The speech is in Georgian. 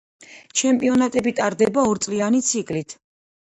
ჩემპიონატები ტარდება ორწლიანი ციკლით.